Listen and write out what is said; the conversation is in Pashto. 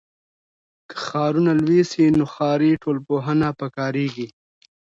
که ښارونه لوی سي نو ښاري ټولنپوهنه پکاریږي.